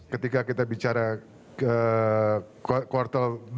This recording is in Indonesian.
ketika kita bicara ke